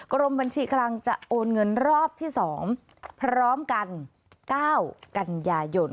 กรมบัญชีกำลังจะโอนเงินรอบที่๒พร้อมกัน๙กันยายน